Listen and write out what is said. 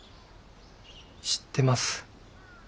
知ってます。